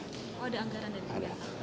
oh ada anggaran dari tidak